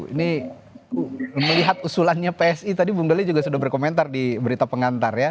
ini melihat usulannya psi tadi bung deli juga sudah berkomentar di berita pengantar ya